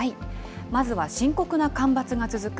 まずは深刻な干ばつが続く